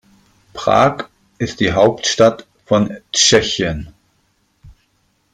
Prag ist die Hauptstadt von Tschechien.